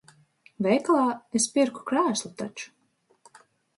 Veikalā es pirku krēslu taču.